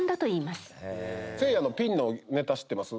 せいやのピンのネタ知ってます？